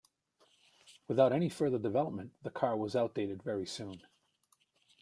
Without any further development the car was outdated very soon.